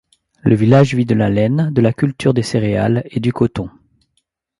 Le village vit de la laine, de la culture des céréales et du coton.